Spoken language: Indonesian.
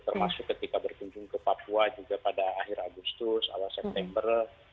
termasuk ketika berkunjung ke papua juga pada akhir agustus awal september